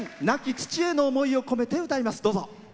亡き父への思いを込めて歌います。